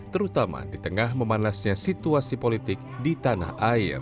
terutama di tengah memanasnya situasi politik di tanah air